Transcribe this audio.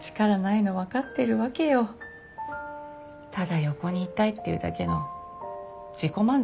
ただ横にいたいっていうだけの自己満足なわけよ。